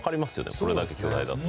これだけ巨大だと。